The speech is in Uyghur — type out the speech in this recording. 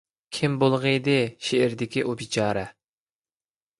كىم بولغىيدى شېئىردىكى ئۇ بىچارە؟